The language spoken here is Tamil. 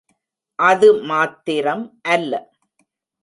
அது மாத்திரம் அல்ல.